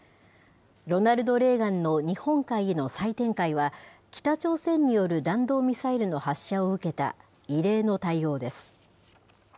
ロナルド・レーガンの日本海への再展開は、北朝鮮による弾道ミサイルの発射を受けた異例の対応です。